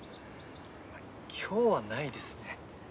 今日はないですね。